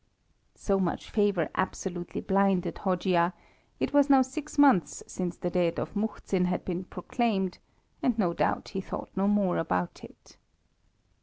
So much favour absolutely blinded Hojia, it was now six months since the death of Muhzin had been proclaimed, and no doubt he thought no more about it.